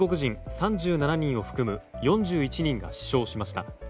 ３７人を含む４１人が死傷しました。